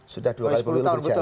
sudah dua kali pemilu terjatuh